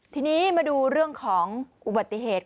ทีนี้มาดูเรื่องของอุบัติเหตุ